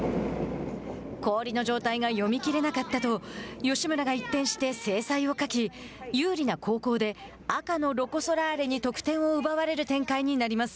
「氷の状態が読みきれなかった」と吉村が一転して精彩を欠き有利な後攻で赤のロコ・ソラーレに得点を奪われる展開になります。